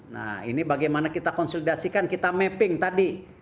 nah ini bagaimana kita konsolidasikan kita mapping tadi